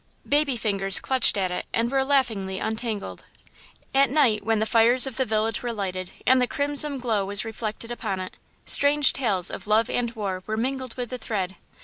Baby fingers clutched at it and were laughingly untangled. At night, when the fires of the village were lighted, and the crimson glow was reflected upon it, strange tales of love and war were mingled with the thread.